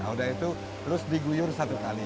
udah itu terus diguyur satu kali